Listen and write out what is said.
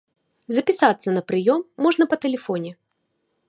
Запісацца на прыём можна па тэлефоне.